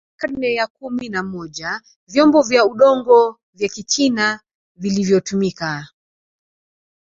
Katika karne ya kumi na moja vyombo vya udongo vya kichina vilivyotumika